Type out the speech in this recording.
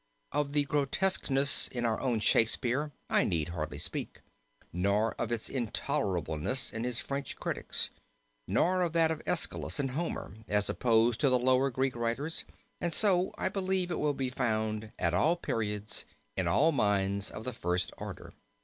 Of the grotesqueness in our own Shakespeare I need hardly speak, nor of its intolerableness to his French critics; nor of that of AEschylus and Homer, as opposed to the lower Greek writers; and so I believe it will be found, at all periods, in all minds of the first order."